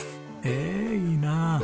へえいいなあ。